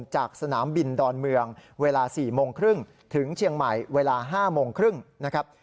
จากสนามบินดอนเมืองเวลา๔โมงครึ่งถึงเชียงใหม่เวลา๕โมงครึ่งนะครับ